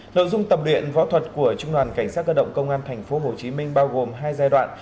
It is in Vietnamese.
nội dung tập luyện võ thuật của trung đoàn cảnh sát cơ động công an tp hcm bao gồm hai giai đoạn